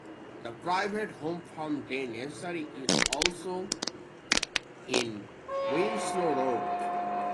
The private "Home Farm Day Nursery" is also in Winslow Road.